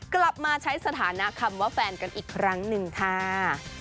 กลับมาใช้สถานะคำว่าแฟนกันอีกครั้งหนึ่งค่ะ